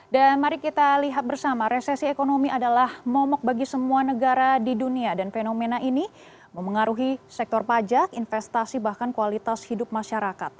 dan mari kita lihat bersama resesi ekonomi adalah momok bagi semua negara di dunia dan fenomena ini memengaruhi sektor pajak investasi bahkan kualitas hidup masyarakat